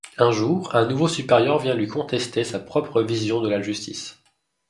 Un jour, un nouveau supérieur vient lui contester sa propre vision de la justice…